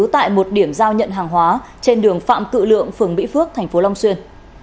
tại một điểm giao nhận hàng hóa trên đường phạm cự lượng phường mỹ phước thành phố long xuyên